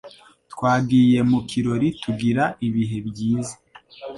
Twagiye mu kirori tugira ibihe byiza.